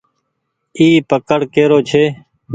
اي پڪڙ ڪي رو ڇي۔